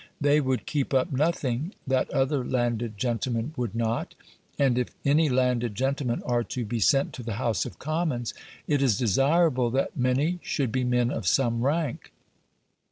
They would keep up nothing that other landed gentlemen would not. And if any landed gentlemen are to be sent to the House of Commons, it is desirable that many should be men of some rank.